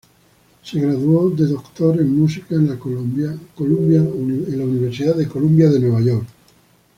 Se graduó de Doctor en Música en la Columbia University de New York.